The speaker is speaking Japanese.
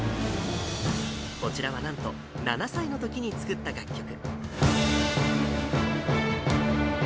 こちらはなんと、７歳のときに作った楽曲。